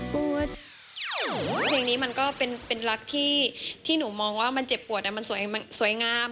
เพลงนี้มันก็เป็นเป็นรักที่ที่หนูมองว่ามันเจ็บปวดแต่มันสวยงาม